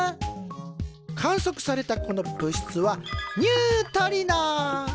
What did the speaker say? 観測されたこの物質はニュートリノ！